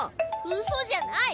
うそじゃない！